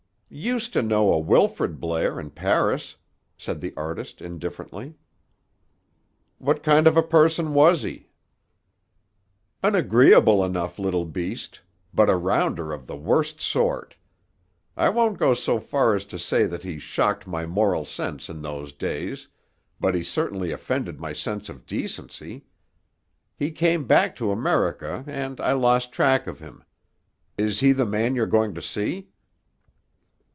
"Used to know a Wilfrid Blair in Paris," said the artist indifferently. "What kind of a person was he?" "An agreeable enough little beast; but a rounder of the worst sort. I won't go so far as to say that he shocked my moral sense in those days; but he certainly offended my sense of decency. He came back to America, and I lost track of him. Is he the man you're going to see?"